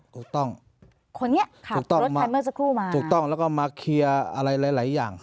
ถูกต้องคนนี้ค่ะถูกต้องรถคันเมื่อสักครู่มาถูกต้องแล้วก็มาเคลียร์อะไรหลายหลายอย่าง